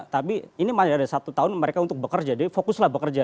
tapi ini masih ada satu tahun mereka untuk bekerja jadi fokuslah bekerja